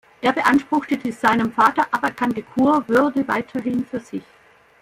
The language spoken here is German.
Er beanspruchte die seinem Vater aberkannte Kurwürde weiterhin für sich.